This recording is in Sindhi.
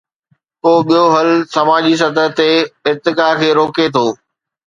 ڪو ٻيو حل سماجي سطح تي ارتقا کي روڪي ٿو.